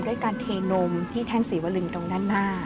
ด้วยการเทนมที่แท่นศรีวลึงตรงด้านหน้า